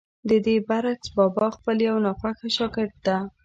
ددې برعکس بابا خپل يو ناخوښه شاګرد ته